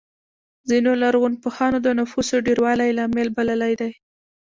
ځینو لرغونپوهانو د نفوسو ډېروالی لامل بللی دی